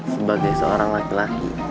sebagai seorang laki laki